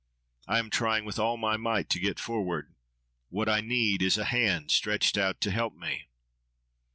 I am trying with all my might to get forward. What I need is a hand, stretched out to help me.